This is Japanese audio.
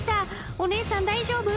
お姉さん大丈夫？